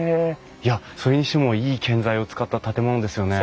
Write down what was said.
いやそれにしてもいい建材を使った建物ですよね。